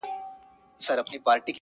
په جنګ وتلی د ټولي مځکي-